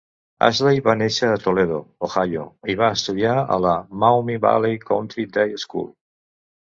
Ashley va néixer a Toledo, Ohio, i va estudiar a la Maumee Valley Country Day School.